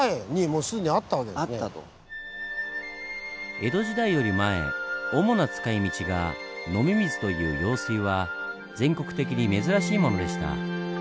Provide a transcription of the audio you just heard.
江戸時代より前主な使いみちが「飲み水」という用水は全国的に珍しいものでした。